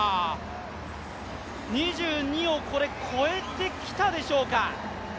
２２を越えてきたでしょうか。